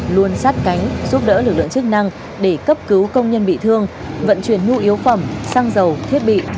luôn sát cánh giúp đỡ lực lượng chức năng để cấp cứu công nhân bị thương vận chuyển nhu yếu phẩm xăng dầu thiết bị